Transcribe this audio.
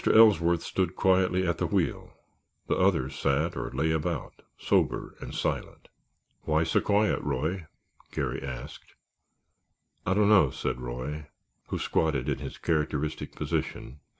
Ellsworth stood quietly at the wheel; the others sat or lay about, sober and silent. "Why so quiet, Roy?" Garry asked. "I don't know," said Roy, who squatted in his characteristic position.